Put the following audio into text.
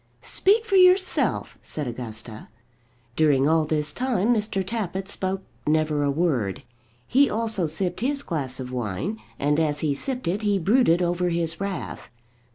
"Speak for yourself," said Augusta. During all this time Mr. Tappitt spoke never a word. He also sipped his glass of wine, and as he sipped it he brooded over his wrath.